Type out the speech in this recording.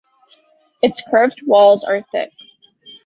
Its curved walls are thick.